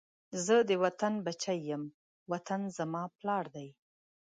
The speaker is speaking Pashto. زه د وطن بچی یم، وطن زما پلار دی